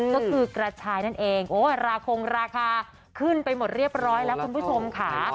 ก็คือกระชายนั่นเองโอ้ราคงราคาขึ้นไปหมดเรียบร้อยแล้วคุณผู้ชมค่ะ